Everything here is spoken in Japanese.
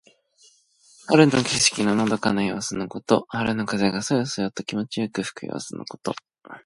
春の景色ののどかな様子のこと。春の風がそよそよと気持ちよく吹く様子のこと。